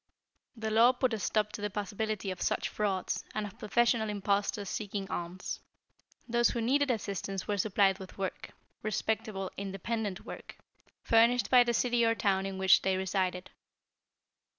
The law put a stop to the possibility of such frauds, and of professional impostors seeking alms. Those who needed assistance were supplied with work respectable, independent work furnished by the city or town in which they resided.